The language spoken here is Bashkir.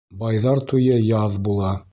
Байҙар туйы яҙ була.